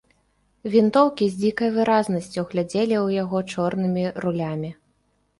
Вінтоўкі з дзікай выразнасцю глядзелі ў яго чорнымі рулямі.